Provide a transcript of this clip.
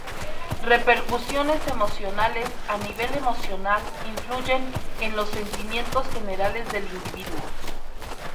Repercusiones emocionales:a nivel emocional influyen en los sentimientos generales del individuo.